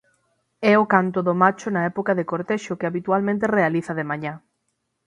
É o canto do macho na época de cortexo que habitualmente realiza de mañá.